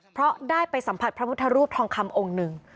เพราะได้ไปสัมผัสพระพุทธรูปทองคำองค์หนึ่ง